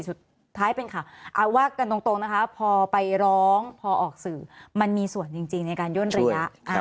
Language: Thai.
สุดท้ายเป็นข่าวเอาว่ากันตรงนะคะพอไปร้องพอออกสื่อมันมีส่วนจริงในการย่นระยะ